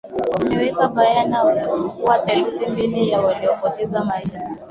imeweka bayana kuwa theluthi mbili ya waliopoteza maisha